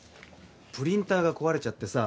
プリンターが壊れちゃってさ。